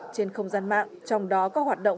trên không gian mạng trong đó có hoạt động